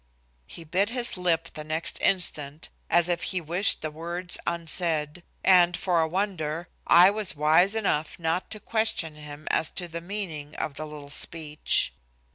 He bit his lip the next instant, as if he wished the words unsaid, and, for a wonder, I was wise enough not to question him as to the meaning of the little speech.